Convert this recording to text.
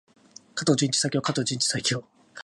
加藤純一最強！加藤純一最強！